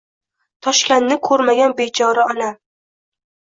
Toshkanni kurmagan bechora onam